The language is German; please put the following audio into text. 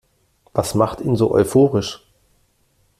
Was macht ihn so euphorisch?